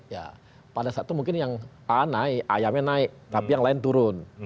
ya pada saat itu mungkin yang naik ayamnya naik tapi yang lain turun